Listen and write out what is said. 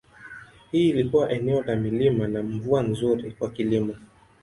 Hili lilikuwa eneo la milima na mvua nzuri kwa kilimo.